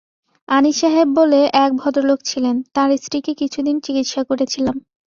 আনিস সাহেব বলে এক ভদ্রলোক ছিলেন, তাঁর স্ত্রীকে কিছুদিন চিকিৎসা করেছিলাম।